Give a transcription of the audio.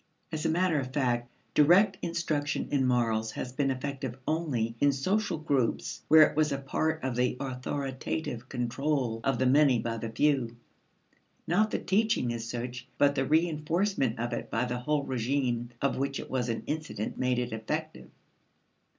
As a matter of fact, direct instruction in morals has been effective only in social groups where it was a part of the authoritative control of the many by the few. Not the teaching as such but the reinforcement of it by the whole regime of which it was an incident made it effective.